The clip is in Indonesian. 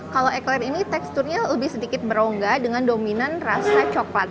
kalau ekler ini teksturnya lebih sedikit berongga dengan dominan rasa coklat